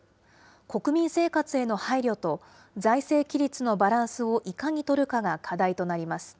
国民生活への配慮と、財政規律のバランスをいかに取るかが課題となります。